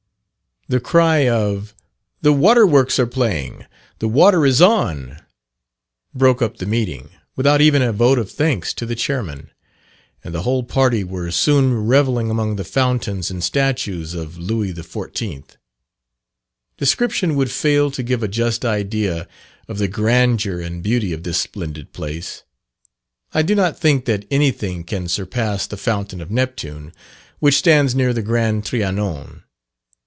The cry of "The water works are playing," "The water is on," broke up the meeting, without even a vote of thanks to the Chairman; and the whole party were soon revelling among the fountains and statues of Louis XIV. Description would fail to give a just idea of the grandeur and beauty of this splendid place. I do not think that any thing can surpass the fountain of Neptune, which stands near the Grand Trianon.